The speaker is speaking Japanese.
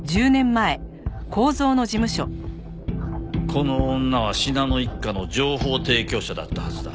この女は信濃一家の情報提供者だったはずだ。